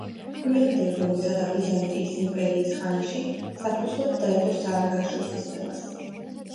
გვიანდელ რომისა და ბიზანტიის იმპერიის ხანაში საფუძვლად დაედო საანგარიშო სისტემას.